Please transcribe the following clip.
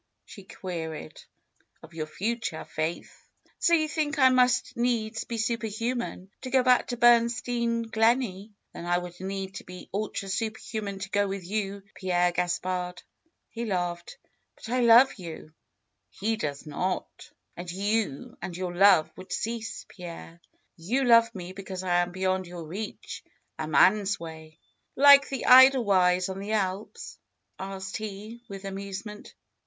she queried. ^^Of your future. Faith." ^^So you think I must needs be super human to go back to Bernstein Gleney! Then I would need to be ultra super human to go with you, Pierre Gaspard !" He laughed. ^^But I love you; he does not." ^^And your love would cease, Pierre. You love me because I am beyond your reach. A man's way !" ^^Like the Edelweiss on the Alps?" asked he with amusement.